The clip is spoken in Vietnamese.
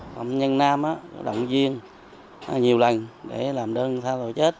phạm nhân nam động duyên nhiều lần để làm đơn tha tội chết